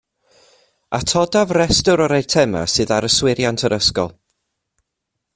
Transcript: Atodaf restr o'r eitemau sydd ar yswiriant yr ysgol